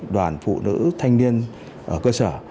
đoàn phụ nữ thanh niên ở cơ sở